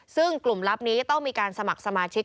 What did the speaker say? ซึ่งกลุ่มลับนี้ต้องมีการสมัครสมาชิก